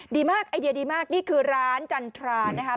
ดีมากไอเดียดีมากนี่คือร้านจันทรานะครับ